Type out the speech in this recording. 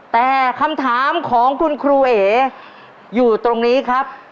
แต่คำถามของคุณครูเอ๋อยู่ตรงนี้ครับ